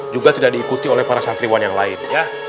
juga tidak diikuti oleh para santriwan yang lain ya